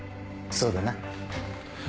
そうだな。